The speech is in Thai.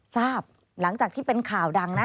ทราบหลังจากที่เป็นข่าวดังนะ